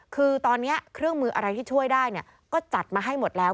คือตอนนี้เครื่องมืออะไรที่ช่วยได้ก็จัดมาให้หมดแล้ว